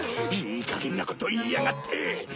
いい加減なこと言いやがって。